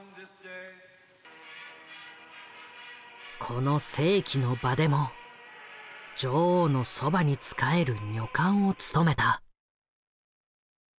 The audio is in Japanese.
この世紀の場でも女王のそばに仕える女官を務めた。